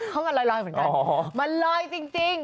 เพราะมันลอยเหมือนกันมันลอยจริง